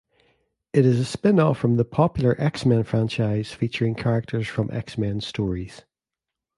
It is a spin-off from the popular X-Men franchise, featuring characters from X-Men stories.